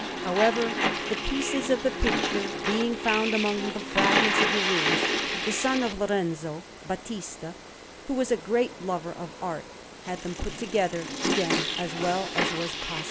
However, the pieces of the picture being found among the fragments of the ruins, the son of Lorenzo, Battista, who was a great lover of art, had them put together again as well as was possible.